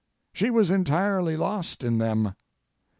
She was entirely lost in them.